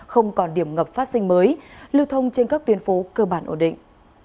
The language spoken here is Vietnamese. không còn điểm ngập phát sinh mới lưu thông trên các tuyến phố cơ bản ổn định